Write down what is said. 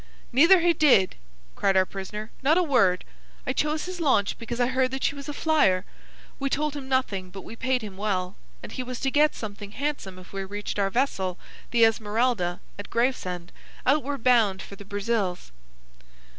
"Neither he did," cried our prisoner,—"not a word. I chose his launch because I heard that she was a flier. We told him nothing, but we paid him well, and he was to get something handsome if we reached our vessel, the Esmeralda, at Gravesend, outward bound for the Brazils."